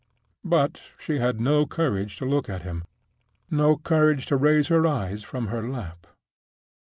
But she had no courage to look at him—no courage to raise her eyes from her lap.